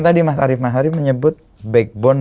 tadi mas arief mahari menyebut backbone